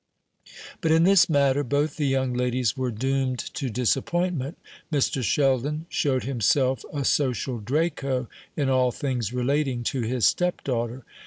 But in this matter both the young ladies were doomed to disappointment. Mr. Sheldon showed himself a social Draco in all things relating to his stepdaughter.